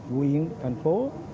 huyện thành phố